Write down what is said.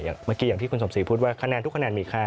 เมื่อกี้อย่างที่คุณสมศรีพูดว่า